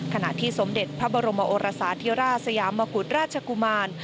ขณะที่สมเด็จพระบรมโอรสาธิราชสยามกุฎราชกุมาร